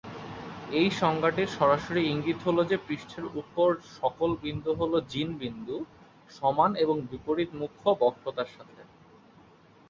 এই সংজ্ঞা টির সরাসরি ইঙ্গিত হলো যে পৃষ্ঠের উপর সকল বিন্দু হলো জিন বিন্দু, সমান এবং বিপরীত মুখ্য বক্রতার সাথে।